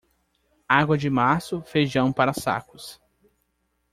Água de março, feijão para sacos.